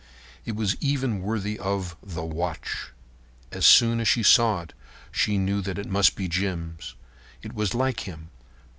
It was even worthy of The Watch. As soon as she saw it she knew that it must be Jim's. It was like him.